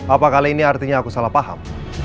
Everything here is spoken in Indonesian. apa kali ini artinya aku salah paham